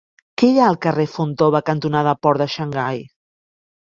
Què hi ha al carrer Fontova cantonada Port de Xangai?